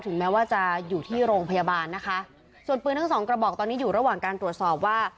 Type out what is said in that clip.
แม้ว่าจะอยู่ที่โรงพยาบาลนะคะส่วนปืนทั้งสองกระบอกตอนนี้อยู่ระหว่างการตรวจสอบว่า